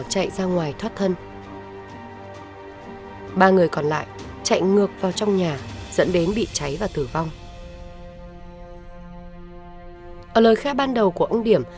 hãy đăng ký kênh để ủng hộ kênh của mình nhé